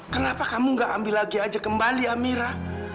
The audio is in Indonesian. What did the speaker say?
kenapa kamu gak ambil lagi aja kembali amira